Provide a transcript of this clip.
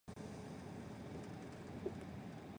此后摩洛哥连续四届世界杯皆在外围赛出局。